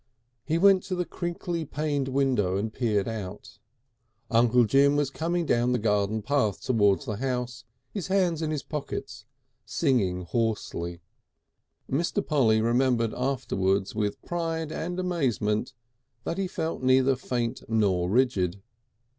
He went to the crinkly paned window and peered out. Uncle Jim was coming down the garden path towards the house, his hands in his pockets and singing hoarsely. Mr. Polly remembered afterwards with pride and amazement that he felt neither faint nor rigid.